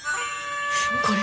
これ。